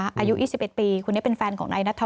อายุ๒๑ปีคนนี้เป็นแฟนของนายนัทธร